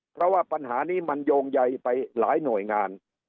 เพราะว่าปัญหานี้มันโยงใยไปหลายหน่วยงาน